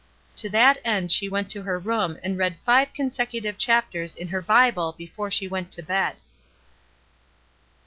To that end she went to her room and read five consecutive chapters in her Bible be fore she went to bed